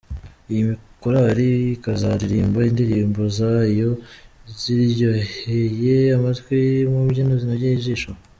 Iyi Korari ikazaririmba indirimbo zayo ziryoheye amatwi mu mbyino zinogeye ijisho.